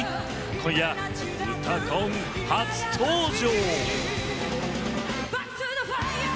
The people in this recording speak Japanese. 今夜「うたコン」初登場！